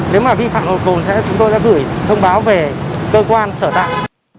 nếu mà vi phạm hồ cồn thì chúng tôi sẽ gửi thông báo về cơ quan sở tạng